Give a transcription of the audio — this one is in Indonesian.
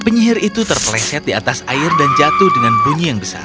penyihir itu terpeleset di atas air dan jatuh dengan bunyi yang besar